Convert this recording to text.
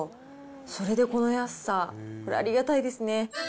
それでこの安さ、ありがたいですね。